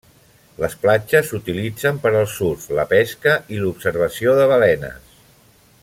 Les platges s'utilitzen per al surf, la pesca i l'observació de balenes.